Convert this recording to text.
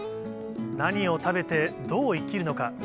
何を食べて、どう生きるのか。